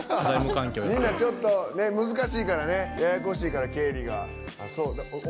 みんな難しいからねややこしいから、経理は。